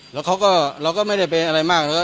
แล้วเขาก็เราก็ไม่ได้เป็นอะไรมากเถอ